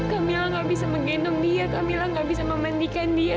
kamila gak bisa menggendong dia kamilah nggak bisa memandikan dia